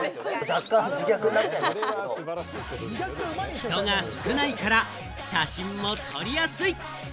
人が少ないから写真も撮りやすい。